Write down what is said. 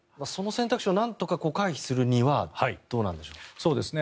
その選択肢をなんとか回避するにはどうなんでしょう。